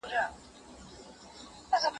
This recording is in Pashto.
املا د ذهني قوې د لوړولو لپاره یو ګټور ورزش دی.